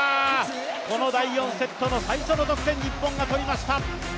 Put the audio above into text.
この第４セットの最初の得点、日本が取りました。